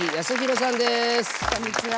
こんにちは。